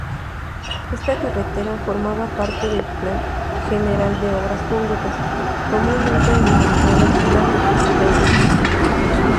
Esta carretera formaba parte del Plan General de Obras Públicas, comúnmente denominado "Plan Peña".